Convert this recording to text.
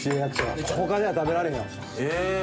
ほかでは食べられへんよ。